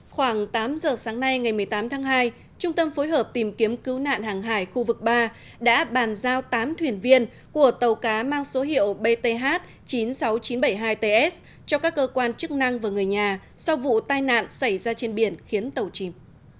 khoảng tám giờ sáng nay ngày một mươi tám tháng hai trung tâm phối hợp tìm kiếm cứu nạn hàng hải khu vực ba đã bàn giao tám thuyền viên của tàu cá mang số hiệu bth chín mươi sáu nghìn chín trăm bảy mươi hai ts cho các cơ quan chức năng và người nhà sau vụ tai nạn xảy ra trên biển khiến tàu chìm